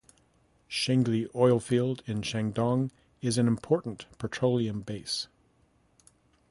Shengli Oilfield in Shandong is an important petroleum base.